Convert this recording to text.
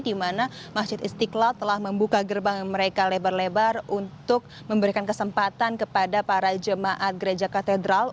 di mana masjid istiqlal telah membuka gerbang mereka lebar lebar untuk memberikan kesempatan kepada para jemaat gereja katedral